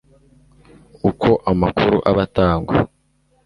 uko amakuru aba atangwa